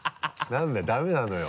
何だよダメなのよ